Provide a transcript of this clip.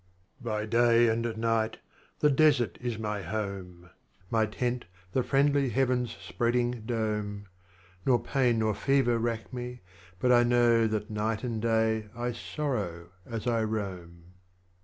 2. By day and night the Desert is my home, My Tent the friendly Heavens' spreading Dome, Nor pain nor fever rack me, but I know That night and day I sorrow as I roam.